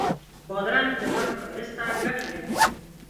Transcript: بادرنګ د مخ ښایست ته ګټه لري.